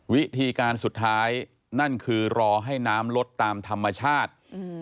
วิธีการสุดท้ายนั่นคือรอให้น้ำลดตามธรรมชาติ